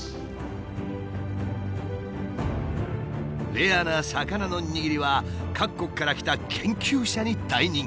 レアな魚の握りは各国から来た研究者に大人気。